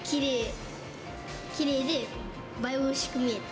きれいで倍おいしく見えた。